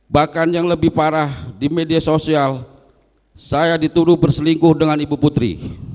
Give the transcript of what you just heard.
bahkan yang lebih parah di media sosial saya dituduh berselingkuh dengan ibu putri